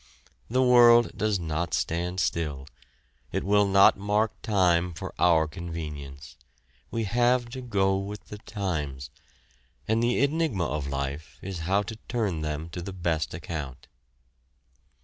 The world does not stand still, it will not mark time for our convenience; we have to go with the times, and the enigma of life is how to turn them to the best account.